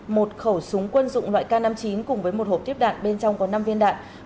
một khẩu súng quân dụng loại k năm mươi chín cùng với một hộp tiếp đạn bên trong có năm viên đạn